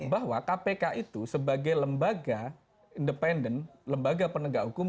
bahwa kpk itu sebagai lembaga independen lembaga penegak hukum